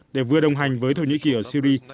để vừa đồng hành với thổ nhĩ kỳ ở syri